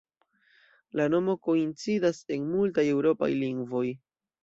La nomo koincidas en multaj eŭropaj lingvoj.